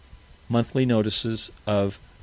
(_Monthly Notices of the R.